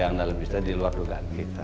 yang dalam istilah diluar dugaan kita